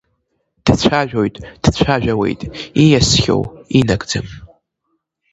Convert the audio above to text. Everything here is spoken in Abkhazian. Дцәажәоитдцәажәауеит ииасхьоу инагӡам…